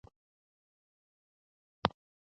هغه يو سترګې لا د سړي زوی نه وو.